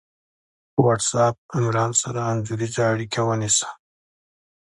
په وټس آپ عمران سره انځوریزه اړیکه ونیسه